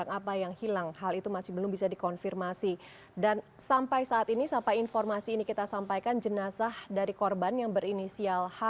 dan tetapi namun apa yang hilang hal itu masih belum bisa dikonfirmasi dan sampai saat ini sampai informasi ini kita sampaikan jenazah dari korban yang berinisial h